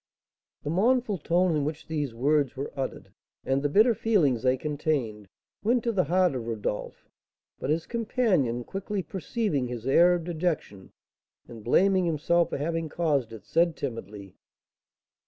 The mournful tone in which these words were uttered, and the bitter feelings they contained, went to the heart of Rodolph; but his companion, quickly perceiving his air of dejection, and blaming herself for having caused it, said, timidly: "M.